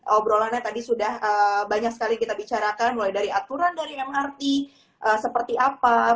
obrolannya tadi sudah banyak sekali kita bicarakan mulai dari aturan dari mrt seperti apa